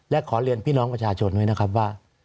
และขอเรียนพี่น้องประชาชนด้วยนะครับว่า